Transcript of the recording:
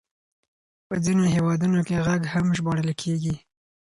په ځينو هېوادونو کې غږ هم ژباړل کېږي.